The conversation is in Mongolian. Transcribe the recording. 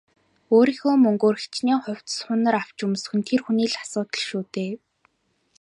Өөрийнхөө мөнгөөр хэчнээн хувцас хунар авч өмсөх нь тэр хүний л асуудал шүү дээ.